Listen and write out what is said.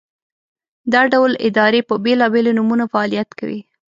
دا ډول ادارې په بېلابېلو نومونو فعالیت کوي.